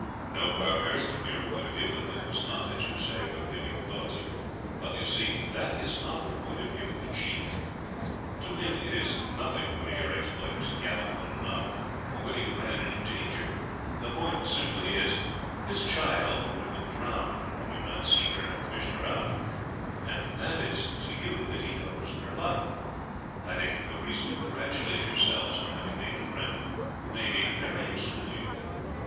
"No, Parkhurst, from your point of view the thing was not, as you say, worth giving a thought to; but, you see, that is not the point of view of the chief. To him it is nothing whether your exploit was a gallant one or not, or whether you ran any danger; the point simply is, his child would have been drowned had you not seen her and fished her out, and that it is to you that he owes her life. I think you have reason to congratulate yourselves on having made a friend who may be very useful to you.